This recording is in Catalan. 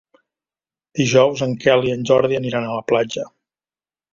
Dijous en Quel i en Jordi aniran a la platja.